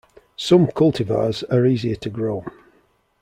Some cultivars are easier to grow.